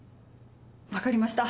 分かりました。